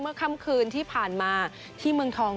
ค่ำคืนที่ผ่านมาที่เมืองทอง